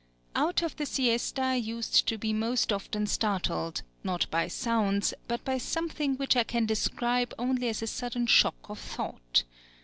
Out of the siesta I used to be most often startled, not by sounds, but by something which I can describe only as a sudden shock of thought.